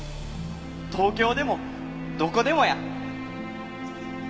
東京でもどこでもや。